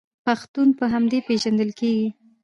پښتون په همدې پیژندل کیږي.